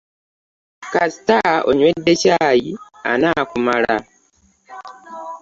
Kasita onywedde caayi anaakumala.